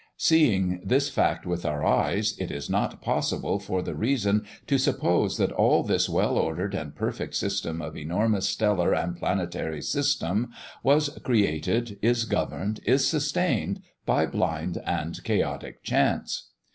Seeing this fact with our eyes, it is not possible for the reason to suppose that all this well ordered and perfect system of enormous stellar and planetary system was created, is governed, is sustained by blind and chaotic chance.